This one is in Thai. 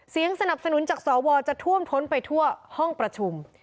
สนับสนุนจากสวจะท่วมท้นไปทั่วห้องประชุม